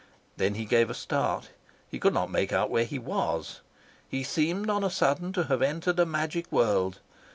Then he gave a start. He could not make out where he was. He seemed on a sudden to have entered a magic world.